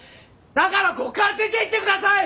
だからここから出ていってください！